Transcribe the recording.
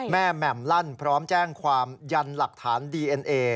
แหม่มลั่นพร้อมแจ้งความยันหลักฐานดีเอ็นเอ